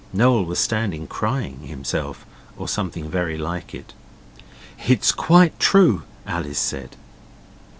Noel was standing crying, himself, or something very like it. 'It's quite true,' Alice said.